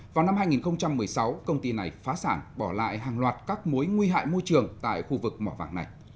vào năm hai nghìn một mươi sáu công ty này phá sản bỏ lại hàng loạt các mối nguy hại môi trường tại khu vực mỏ vàng này